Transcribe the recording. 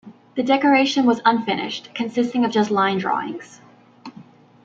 The decoration was unfinished, consisting of just line drawings.